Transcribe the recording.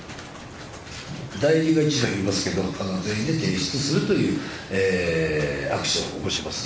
代理がいますけど、全員で提出するというアクションを起こします。